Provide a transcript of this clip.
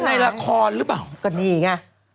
มันในราคอร์หรือเปล่า